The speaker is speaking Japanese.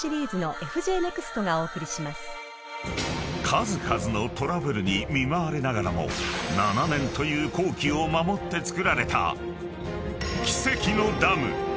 ［数々のトラブルに見舞われながらも７年という工期を守って造られた］